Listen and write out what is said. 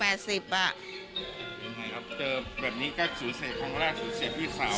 เป็นไงครับเจอแบบนี้ก็สูญเสธข้างล่างสูญเสธที่คราว